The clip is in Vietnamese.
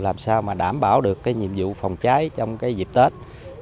làm sao mà đảm bảo được nhiệm vụ phòng cháy trong dịp tết